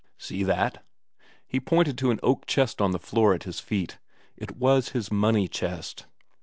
"See that?" He pointed to an oak chest on the floor at his feet. It was his money chest.